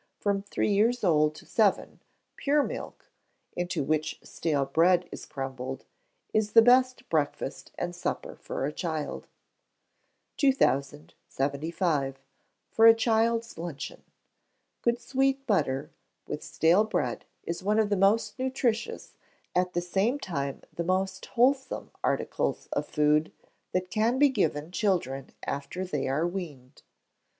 From three years old to seven, pure milk, into which stale bread is crumbled, is the best breakfast and supper for a child. 2075. For a Child's Luncheon. Good sweet butter, with stale bread, is one of the most nutritious, at the same time the most wholesome articles of food that can be given children after they are weaned.